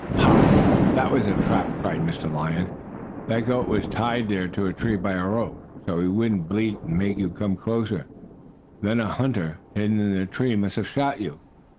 "Ha! That was a trap!" cried Mr. Lion. "That goat was tied there to a tree by a rope, so he would bleat and make you come closer. Then a hunter, hidden in a tree, must have shot you."